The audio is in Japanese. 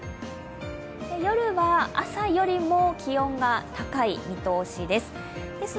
夜は、朝よりも気温が高い見通しです。